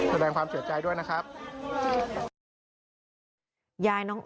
หายไปอยู่ตรงรับน้องของจะ